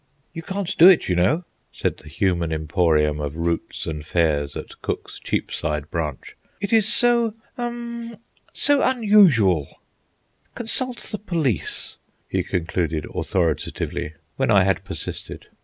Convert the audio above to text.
"You can't do it, you know," said the human emporium of routes and fares at Cook's Cheapside branch. "It is so—hem—so unusual." "Consult the police," he concluded authoritatively, when I had persisted.